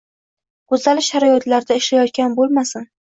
Goʻzal sharoitlarda ishlayotgan boʻlmasin